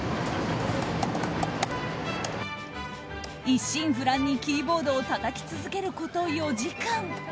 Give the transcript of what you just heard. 一心不乱にキーボードをたたき続けること４時間。